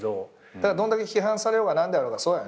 どんだけ批判されようが何であろうがそうだよね。